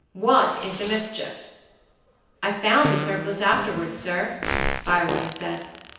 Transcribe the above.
"What is the mischief?" "I found the surplice afterwards, sir," Bywater said.